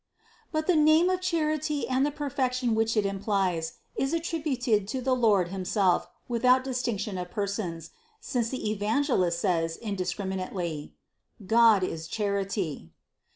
But the name of Charity and the perfection which it implies is attributed to the Lord himself without dis tinction of Persons, since the Evangelist says indiscrim inately: "God is charity."